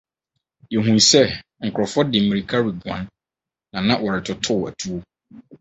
Yehui sɛ nkurɔfo de mmirika reguan, na na wɔretotow atuo.